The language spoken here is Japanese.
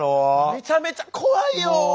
めちゃめちゃ怖いよ。